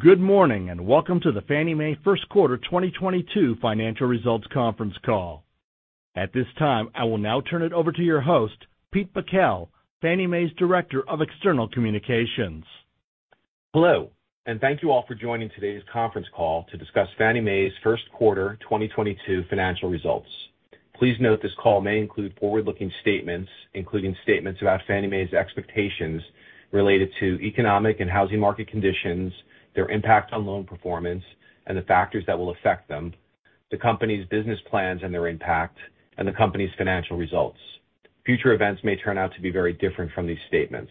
Good morning, and welcome to the Fannie Mae first quarter 2022 financial results conference call. At this time, I will now turn it over to your host, Pete Bakel, Fannie Mae's Director of External Communications. Hello, and thank you all for joining today's conference call to discuss Fannie Mae's first quarter 2022 financial results. Please note this call may include forward-looking statements, including statements about Fannie Mae's expectations related to economic and housing market conditions, their impact on loan performance and the factors that will affect them, the company's business plans and their impact, and the company's financial results. Future events may turn out to be very different from these statements.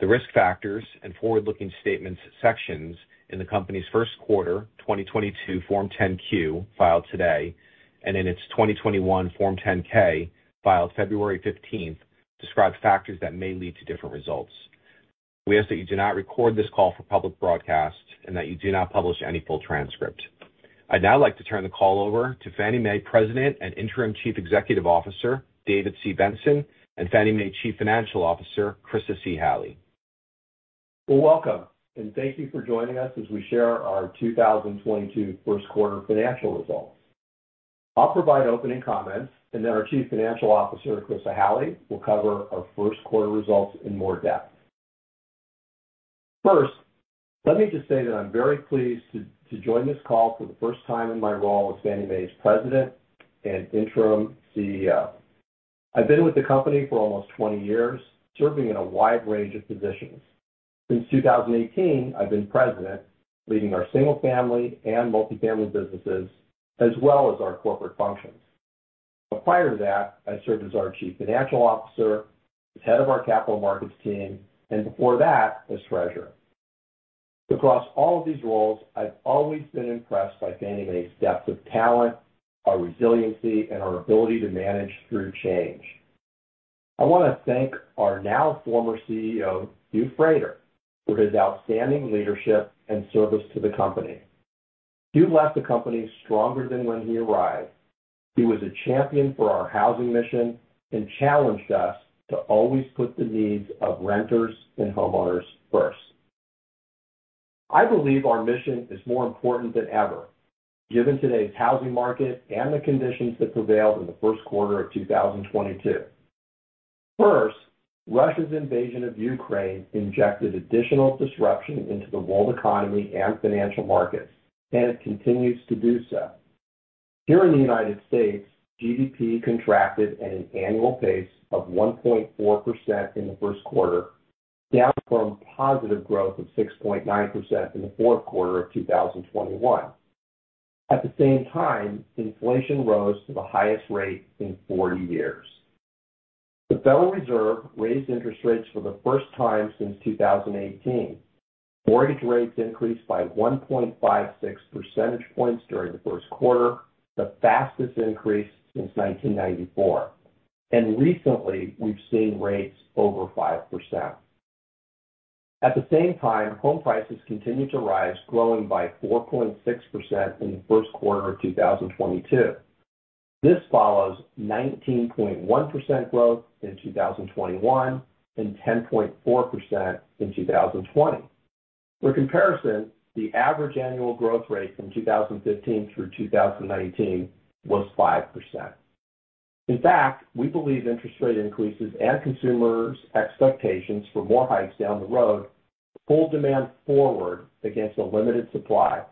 The Risk Factors and Forward-Looking Statements sections in the company's first quarter 2022 Form 10-Q filed today, and in its 2021 Form 10-K, filed February 15, describes factors that may lead to different results. We ask that you do not record this call for public broadcast and that you do not publish any full transcript. I'd now like to turn the call over to Fannie Mae President and Interim Chief Executive Officer, David C. Benson, and Fannie Mae Chief Financial Officer, Chryssa C. Halley. Well, welcome, and thank you for joining us as we share our 2022 first quarter financial results. I'll provide opening comments, and then our Chief Financial Officer, Chryssa Halley, will cover our first quarter results in more depth. First, let me just say that I'm very pleased to join this call for the first time in my role as Fannie Mae's President and Interim CEO. I've been with the company for almost 20 years, serving in a wide range of positions. Since 2018, I've been President, leading our single-family and multifamily businesses, as well as our corporate functions. Prior to that, I served as our Chief Financial Officer, as head of our capital markets team, and before that, as treasurer. Across all of these roles, I've always been impressed by Fannie Mae's depth of talent, our resiliency, and our ability to manage through change. I wanna thank our now former CEO, Hugh Frater, for his outstanding leadership and service to the company. Hugh left the company stronger than when he arrived. He was a champion for our housing mission and challenged us to always put the needs of renters and homeowners first. I believe our mission is more important than ever, given today's housing market and the conditions that prevailed in the first quarter of 2022. First, Russia's invasion of Ukraine injected additional disruption into the world economy and financial markets, and it continues to do so. Here in the United States, GDP contracted at an annual pace of 1.4% in the first quarter, down from positive growth of 6.9% in the fourth quarter of 2021. At the same time, inflation rose to the highest rate in 40 years. The Federal Reserve raised interest rates for the first time since 2018. Mortgage rates increased by 1.56 percentage points during the first quarter, the fastest increase since 1994. Recently, we've seen rates over 5%. At the same time, home prices continued to rise, growing by 4.6% in the first quarter of 2022. This follows 19.1% growth in 2021 and 10.4% in 2020. For comparison, the average annual growth rate from 2015 through 2019 was 5%. In fact, we believe interest rate increases and consumers' expectations for more hikes down the road pull demand forward against a limited supply,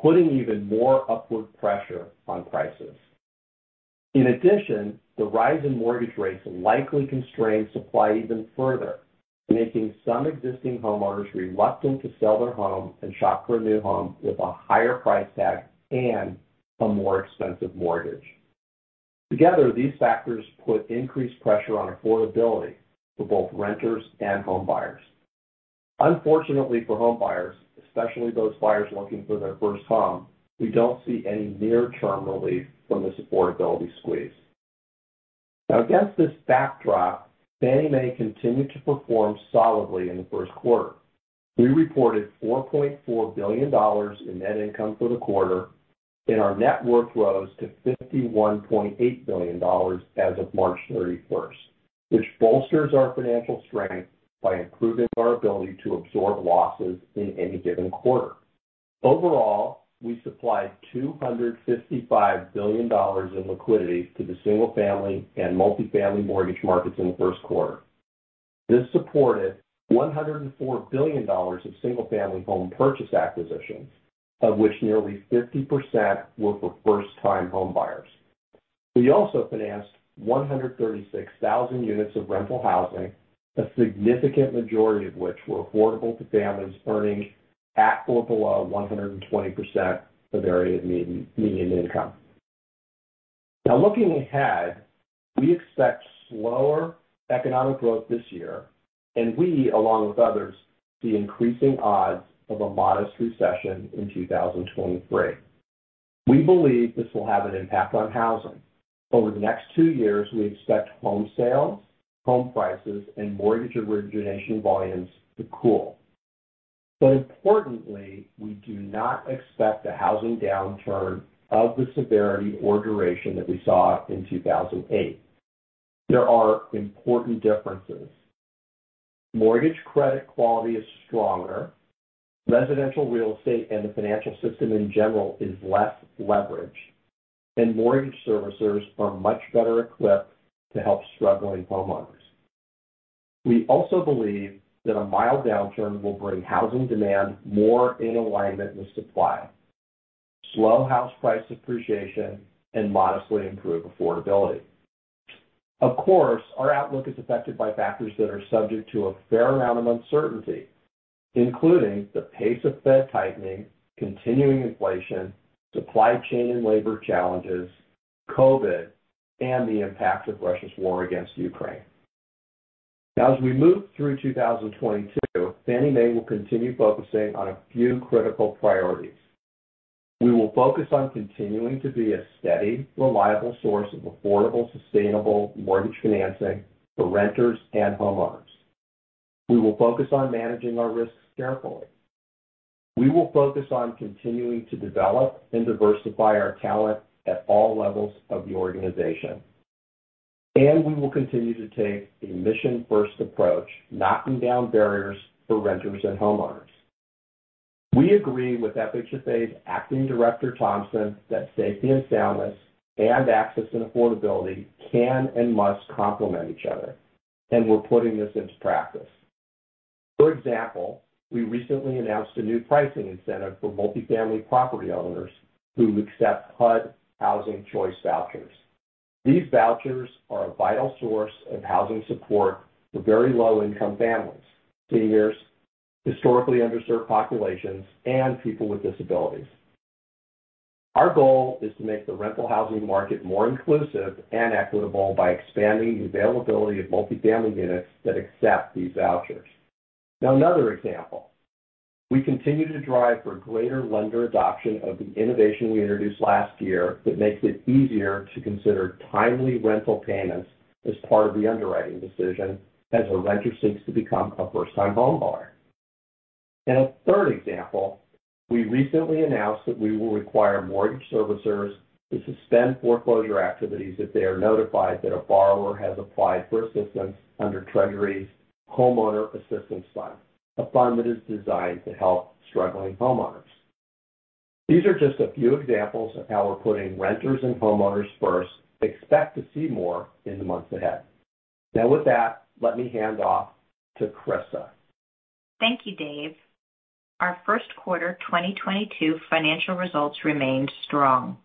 putting even more upward pressure on prices. In addition, the rise in mortgage rates likely constrained supply even further, making some existing homeowners reluctant to sell their home and shop for a new home with a higher price tag and a more expensive mortgage. Together, these factors put increased pressure on affordability for both renters and home buyers. Unfortunately for home buyers, especially those buyers looking for their first home, we don't see any near-term relief from this affordability squeeze. Now against this backdrop, Fannie Mae continued to perform solidly in the first quarter. We reported $4.4 billion in net income for the quarter, and our net worth rose to $51.8 billion as of March 31st, which bolsters our financial strength by improving our ability to absorb losses in any given quarter. Overall, we supplied $255 billion in liquidity to the single-family and multifamily mortgage markets in the first quarter. This supported $104 billion of single-family home purchase acquisitions, of which nearly 50% were for first-time home buyers. We also financed 136,000 units of rental housing, a significant majority of which were affordable to families earning at or below 120% of area median income. Now looking ahead, we expect slower economic growth this year, and we, along with others, see increasing odds of a modest recession in 2023. We believe this will have an impact on housing. Over the next two years, we expect home sales, home prices, and mortgage origination volumes to cool. Importantly, we do not expect a housing downturn of the severity or duration that we saw in 2008. There are important differences. Mortgage credit quality is stronger. Residential real estate and the financial system in general is less leveraged. Mortgage servicers are much better equipped to help struggling homeowners. We also believe that a mild downturn will bring housing demand more in alignment with supply, slow house price appreciation, and modestly improve affordability. Of course, our outlook is affected by factors that are subject to a fair amount of uncertainty, including the pace of Fed tightening, continuing inflation, supply chain and labor challenges, COVID, and the impact of Russia's war against Ukraine. Now as we move through 2022, Fannie Mae will continue focusing on a few critical priorities. We will focus on continuing to be a steady, reliable source of affordable, sustainable mortgage financing for renters and homeowners. We will focus on managing our risks carefully. We will focus on continuing to develop and diversify our talent at all levels of the organization. We will continue to take a mission-first approach, knocking down barriers for renters and homeowners. We agree with FHFA's Acting Director Thompson that safety and soundness and access and affordability can and must complement each other, and we're putting this into practice. For example, we recently announced a new pricing incentive for multifamily property owners who accept HUD Housing Choice Voucher. These vouchers are a vital source of housing support for very low-income families, seniors, historically underserved populations, and people with disabilities. Our goal is to make the rental housing market more inclusive and equitable by expanding the availability of multifamily units that accept these vouchers. Now another example, we continue to drive for greater lender adoption of the innovation we introduced last year that makes it easier to consider timely rental payments as part of the underwriting decision as a renter seeks to become a first-time homebuyer. A third example, we recently announced that we will require mortgage servicers to suspend foreclosure activities if they are notified that a borrower has applied for assistance under Treasury's Homeowner Assistance Fund, a fund that is designed to help struggling homeowners. These are just a few examples of how we're putting renters and homeowners first. Expect to see more in the months ahead. Now, with that, let me hand off to Chryssa. Thank you, Dave. Our first quarter 2022 financial results remained strong.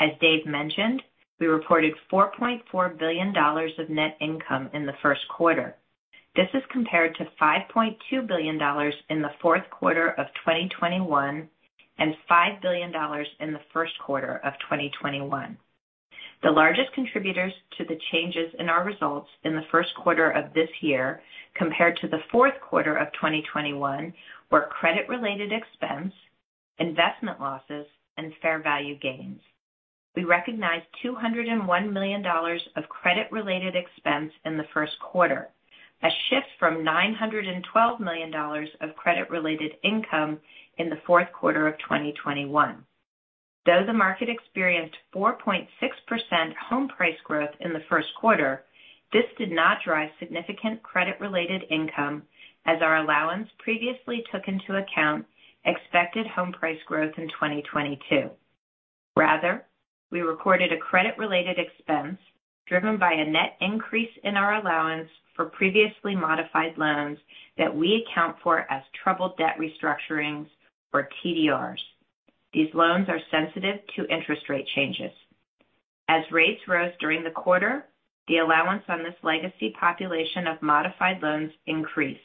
As Dave mentioned, we reported $4.4 billion of net income in the first quarter. This is compared to $5.2 billion in the fourth quarter of 2021 and $5 billion in the first quarter of 2021. The largest contributors to the changes in our results in the first quarter of this year compared to the fourth quarter of 2021 were credit-related expense, investment losses, and fair value gains. We recognized $201 million of credit-related expense in the first quarter, a shift from $912 million of credit-related income in the fourth quarter of 2021. Though the market experienced 4.6% home price growth in the first quarter, this did not drive significant credit-related income as our allowance previously took into account expected home price growth in 2022. Rather, we recorded a credit-related expense driven by a net increase in our allowance for previously modified loans that we account for as troubled debt restructurings or TDRs. These loans are sensitive to interest rate changes. As rates rose during the quarter, the allowance on this legacy population of modified loans increased.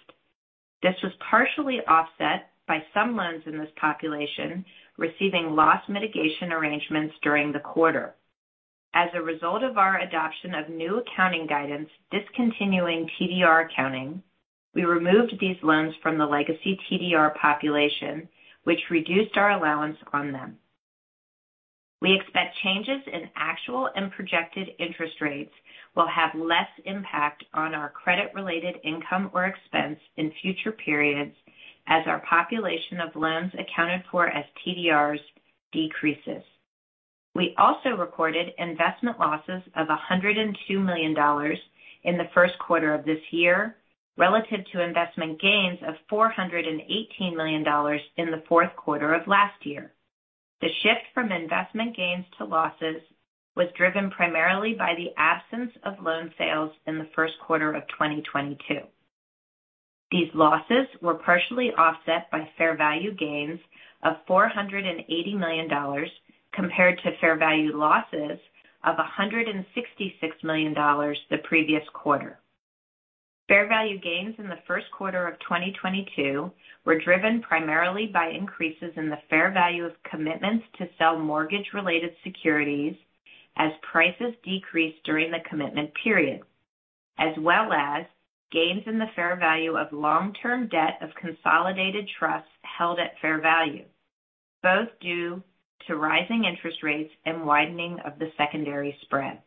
This was partially offset by some loans in this population receiving loss mitigation arrangements during the quarter. As a result of our adoption of new accounting guidance discontinuing TDR accounting, we removed these loans from the legacy TDR population, which reduced our allowance on them. We expect changes in actual and projected interest rates will have less impact on our credit-related income or expense in future periods as our population of loans accounted for as TDRs decreases. We also recorded investment losses of $102 million in the first quarter of this year, relative to investment gains of $418 million in the fourth quarter of last year. The shift from investment gains to losses was driven primarily by the absence of loan sales in the first quarter of 2022. These losses were partially offset by fair value gains of $480 million, compared to fair value losses of $166 million the previous quarter. Fair value gains in the first quarter of 2022 were driven primarily by increases in the fair value of commitments to sell mortgage-related securities as prices decreased during the commitment period, as well as gains in the fair value of long-term debt of consolidated trusts held at fair value, both due to rising interest rates and widening of the secondary spread.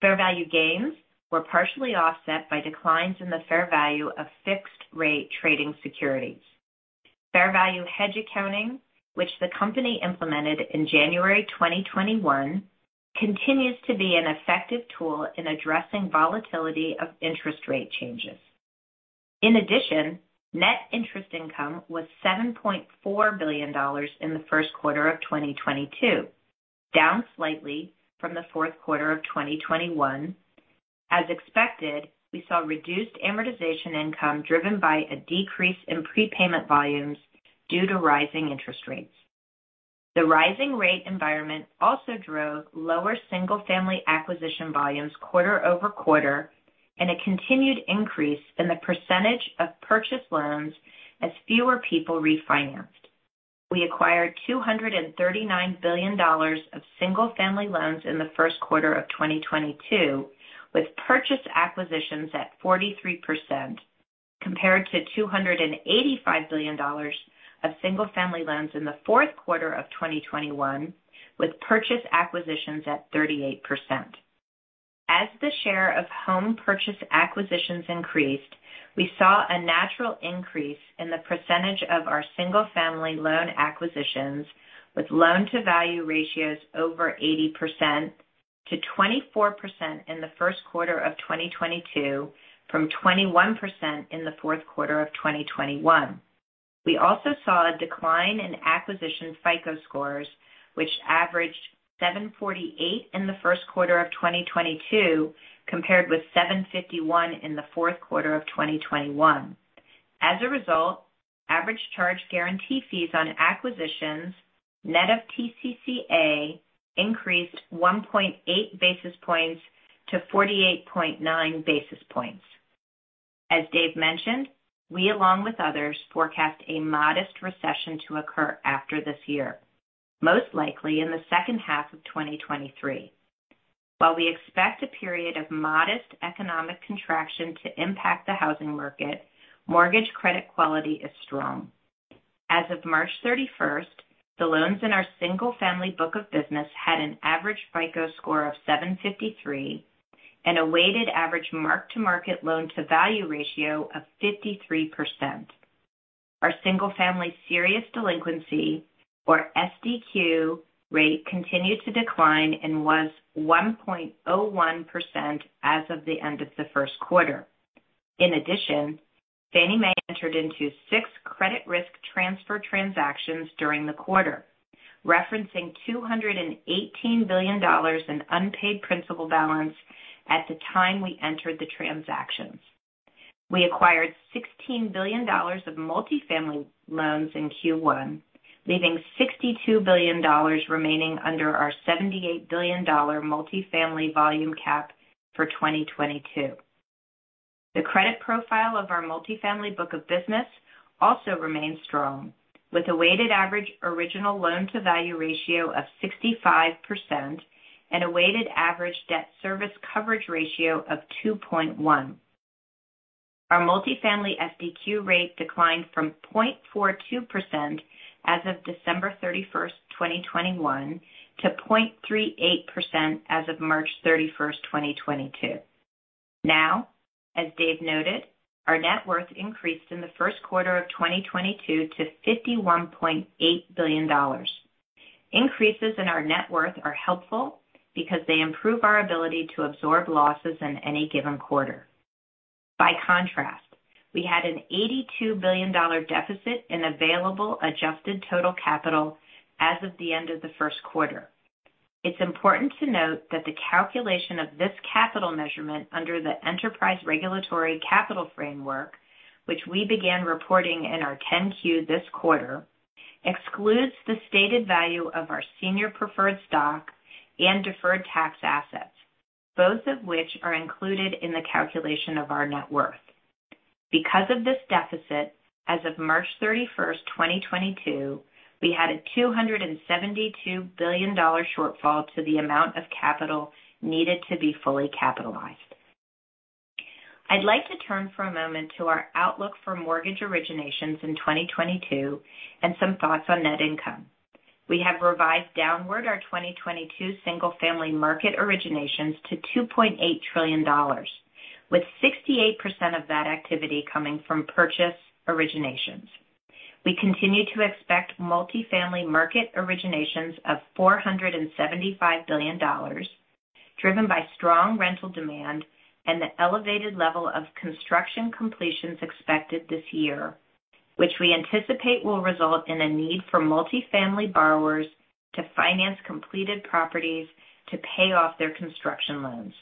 Fair value gains were partially offset by declines in the fair value of fixed rate trading securities. Fair value hedge accounting, which the company implemented in January 2021, continues to be an effective tool in addressing volatility of interest rate changes. In addition, net interest income was $7.4 billion in the first quarter of 2022, down slightly from the fourth quarter of 2021. As expected, we saw reduced amortization income driven by a decrease in prepayment volumes due to rising interest rates. The rising rate environment also drove lower single-family acquisition volumes quarter-over-quarter and a continued increase in the percentage of purchase loans as fewer people refinanced. We acquired $239 billion of single-family loans in the first quarter of 2022, with purchase acquisitions at 43% compared to $285 billion of single-family loans in the fourth quarter of 2021, with purchase acquisitions at 38%. As the share of home purchase acquisitions increased, we saw a natural increase in the percentage of our single-family loan acquisitions with loan to value ratios over 80% to 24% in the first quarter of 2022 from 21% in the fourth quarter of 2021. We also saw a decline in acquisition FICO scores, which averaged 748 in the first quarter of 2022 compared with 751 in the fourth quarter of 2021. As a result, average charged guarantee fees on acquisitions, net of TCCA increased 1.8 basis points to 48.9 basis points. As Dave mentioned, we along with others forecast a modest recession to occur after this year, most likely in the second half of 2023. While we expect a period of modest economic contraction to impact the housing market, mortgage credit quality is strong. As of March 31st, the loans in our single-family book of business had an average FICO score of 753 and a weighted average mark-to-market loan-to-value ratio of 53%. Our single-family serious delinquency, or SDQ rate, continued to decline and was 1.01% as of the end of the first quarter. In addition, Fannie Mae entered into six credit risk transfer transactions during the quarter, referencing $218 billion in unpaid principal balance at the time we entered the transactions. We acquired $16 billion of multifamily loans in Q1, leaving $62 billion remaining under our $78 billion multifamily volume cap for 2022. The credit profile of our multifamily book of business also remains strong with a weighted average original loan to value ratio of 65% and a weighted average debt service coverage ratio of 2.1. Our multifamily SDQ rate declined from 0.42% as of December 31st, 2021 to 0.38% as of March 31st, 2022. Now, as Dave noted, our net worth increased in the first quarter of 2022 to $51.8 billion. Increases in our net worth are helpful because they improve our ability to absorb losses in any given quarter. By contrast, we had an $82 billion deficit in available adjusted total capital as of the end of the first quarter. It's important to note that the calculation of this capital measurement under the Enterprise Regulatory Capital Framework, which we began reporting in our 10-Q this quarter, excludes the stated value of our senior preferred stock and deferred tax assets, both of which are included in the calculation of our net worth. Because of this deficit, as of March 31st, 2022, we had a $272 billion shortfall to the amount of capital needed to be fully capitalized. I'd like to turn for a moment to our outlook for mortgage originations in 2022 and some thoughts on net income. We have revised downward our 2022 single-family market originations to $2.8 trillion, with 68% of that activity coming from purchase originations. We continue to expect multifamily market originations of $475 billion, driven by strong rental demand and the elevated level of construction completions expected this year, which we anticipate will result in a need for multifamily borrowers to finance completed properties to pay off their construction loans.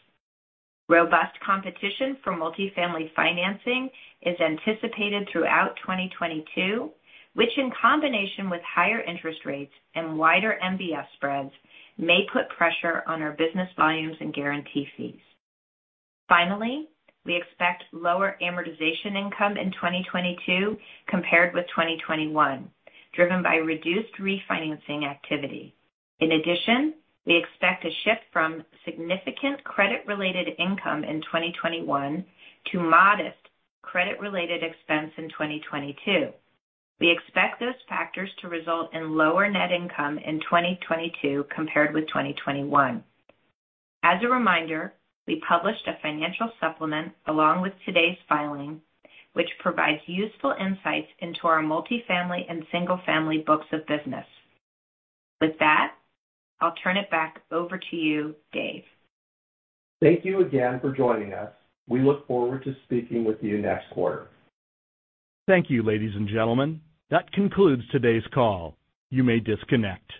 Robust competition for multifamily financing is anticipated throughout 2022, which in combination with higher interest rates and wider MBS spreads, may put pressure on our business volumes and guarantee fees. Finally, we expect lower amortization income in 2022 compared with 2021, driven by reduced refinancing activity. In addition, we expect a shift from significant credit-related income in 2021 to modest credit-related expense in 2022. We expect those factors to result in lower net income in 2022 compared with 2021. As a reminder, we published a financial supplement along with today's filing, which provides useful insights into our multifamily and single-family books of business. With that, I'll turn it back over to you, Dave. Thank you again for joining us. We look forward to speaking with you next quarter. Thank you, ladies and gentlemen. That concludes today's call. You may disconnect.